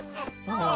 ああ。